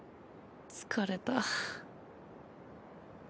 疲れた。